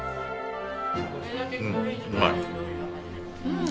うん。